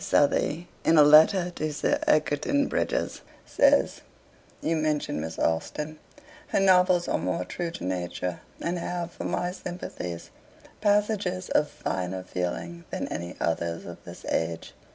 Southey, in a letter to Sir Egerton Brydges, says: 'You mention Miss Austen. Her novels are more true to nature, and have, for my sympathies, passages of finer feeling than any others of this age.